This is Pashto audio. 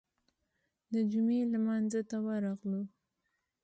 د جمعې لمانځه ته ورغلو.